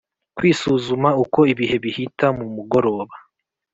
*kwisuzuma uko ibihe bihita, mu mugoroba